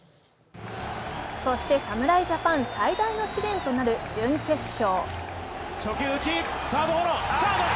そして侍ジャパン最大の試練となる準決勝。